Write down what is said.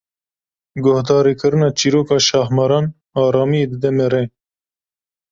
Guhdarîkirina çîroka şahmaran, aramiyê dide mere.